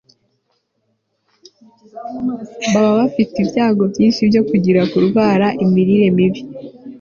baba bafite ibyago byinshi byo kugira (kurwara) imirire mibi